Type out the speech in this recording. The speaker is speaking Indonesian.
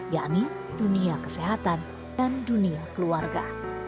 yakni dunia kesehatan dan dunia keluarga